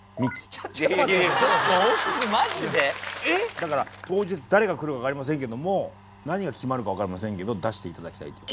だから当日誰が来るか分かりませんけども何が決まるか分かりませんけど出して頂きたいという。